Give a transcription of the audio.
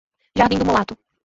Jardim do Mulato